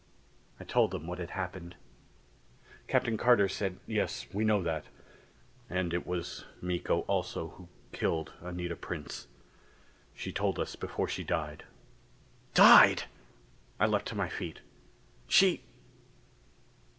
I told them what had happened. Captain Carter said, "Yes, we know that. And it was Miko also who killed Anita Prince. She told us before she died." "Died!..." I leaped to my feet. "She